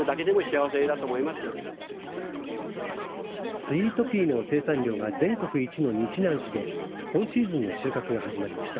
スイートピーの生産量が全国一の日南市で今シーズンの収穫が始まりました。